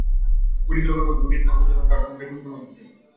গুটিকলমের মাধ্যমে কৃত্রিম অঙ্গজ জনন ঘটানো যায় কোন কোন উদ্ভিদে?